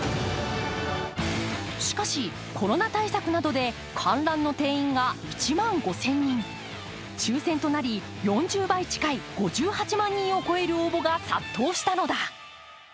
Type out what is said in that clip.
しかし、コロナ対策などで観覧の定員が１万５０００人、抽選となり、４０倍近い５８万人を超える応募が殺到したのだ。